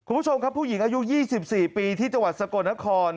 คุณผู้ชมครับผู้หญิงอายุ๒๔ปีที่จังหวัดสกลนคร